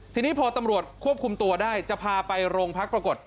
ทีนี้พอตำรวจควบคุมตัวได้จะพาไปโรงพักปรากฏ